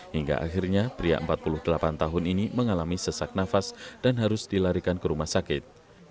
hingga akhirnya pria empat puluh delapan tahun ini mengalami sesak nafas dan harus dilarikan ke rumah sakit